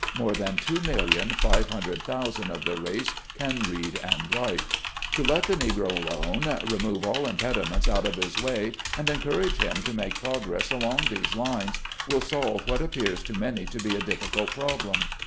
More than two million, five hundred thousand of the race can read and write. To let the Negro alone, remove all impediments out of his way and encourage him to make progress along these lines, will solve what appears to many to be a difficult problem.